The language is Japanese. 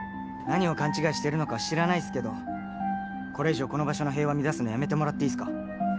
何を勘違いしてるのかは知らないっすけどこれ以上この場所の平和乱すのやめてもらっていいっすか？